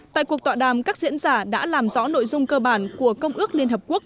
tại cuộc tọa đàm các diễn giả đã làm rõ nội dung cơ bản của công ước liên hợp quốc